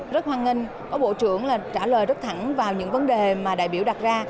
rất hoan nghênh có bộ trưởng là trả lời rất thẳng vào những vấn đề mà đại biểu đặt ra